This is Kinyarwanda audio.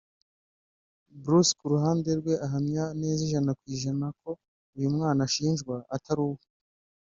Bruce ku ruhande rwe ahamya neza ijana ku ijana ko uyu mwana ashinjwa atari uwe